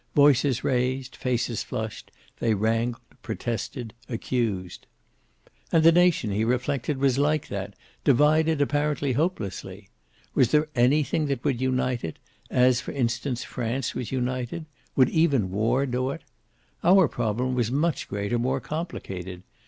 Voices raised, faces flushed, they wrangled, protested, accused. And the nation, he reflected, was like that, divided apparently hopelessly. Was there anything that would unite it, as for instance France was united? Would even war do it? Our problem was much greater, more complicated.